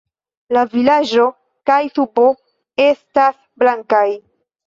La vizaĝo kaj subo estas blankaj.